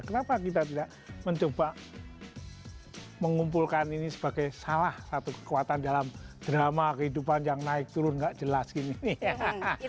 kenapa kita tidak mencoba mengumpulkan ini sebagai salah satu kekuatan dalam drama kehidupan yang naik turun nggak jelas gini nih